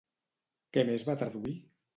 Què més va traduir?